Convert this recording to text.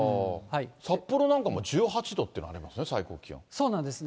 札幌なんかも１８度というのありますね、そうなんですね。